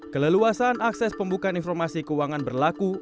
keleluasan akses pembukaan informasi keuangan berlaku untuk seluruh negara